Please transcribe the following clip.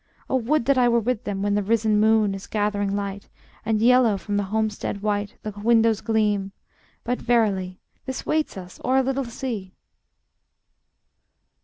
Oh, would that I were with them when The risen moon is gathering light, And yellow from the homestead white The windows gleam; but verily This waits us o'er a little sea.